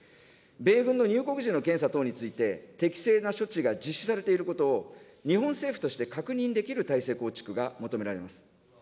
米軍の入国時の検査等について、適正な処置が実施されていることを、日本政府として確認できる体制構築が求められます。